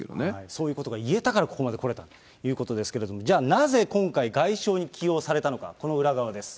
そういうことが言えたから、ここまでこれたということなんですけれども、じゃあなぜ今回、外相に起用されたのか、この裏側です。